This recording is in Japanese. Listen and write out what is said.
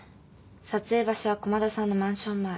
撮影場所は駒田さんのマンション前。